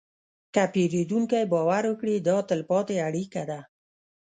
که پیرودونکی باور وکړي، دا تلپاتې اړیکه ده.